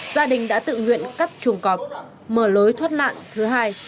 gia đình đã tự nguyện cắt chuồng cọp mở lối thoát nạn thứ hai